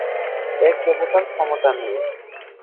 এক দেবতার ক্ষমতা নিয়ে।